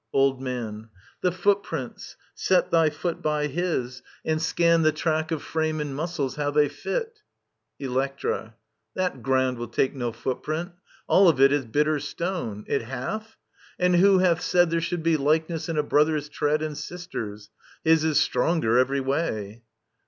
Old Man. The footprints ! Set thy foot by his, and scan The track of frame and muscles, how they fit ! Electra. That ground will take no footprint ! All of it Is bitter stone, ... It hath ?... And who hath said There should be likeness in a brother's tread And sister's ? His is stronger every way.